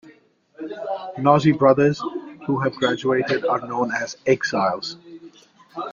NoZe Brothers who have graduated are known as Exiles.